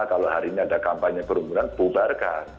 kalau hari ini ada kampanye kerumunan bubarkan